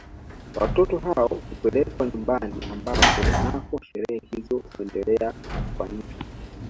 Watoto hao hupelekwa nyumbani ambako nako sherehe hizo huendelea kufanyika